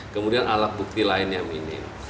kemudian alat bukti lain yang minim